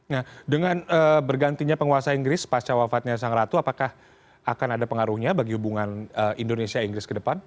nah dengan bergantinya penguasa inggris pasca wafatnya sang ratu apakah akan ada pengaruhnya bagi hubungan indonesia inggris ke depan